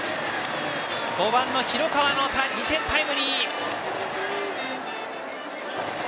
５番の広川の２点タイムリー！